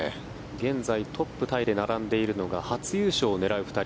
現在トップタイで並んでいるのが初優勝を狙う２人。